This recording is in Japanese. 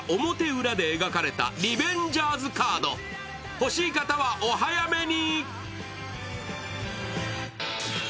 欲しい方はお早めに。